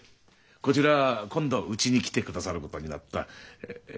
こちら今度うちに来てくださることになったえっと。